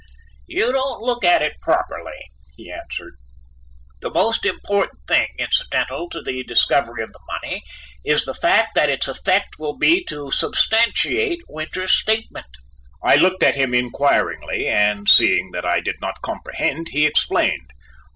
"You don't look at it properly," he answered; "the most important thing incidental to the discovery of the money is the fact that its effect will be to substantiate Winters's statement." I looked at him inquiringly, and seeing I did not comprehend, he explained.